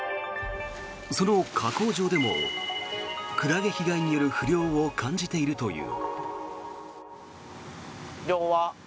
その加工場でもクラゲ被害による不漁を感じているという。